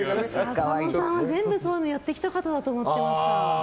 浅野さんは全部、そういうのやってきた方だと思ってました。